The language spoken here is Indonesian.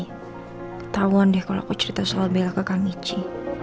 ketauan deh kalo aku cerita soal belakang kak michi